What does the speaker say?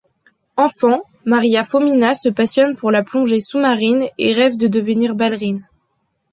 Enfant, Maria Fomina se passionne pour la plongée sous-marine et rêve de devenir ballerine.